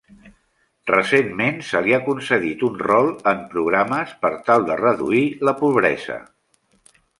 Recentment, se li ha concedit un rol en programes per tal de reduir la pobresa.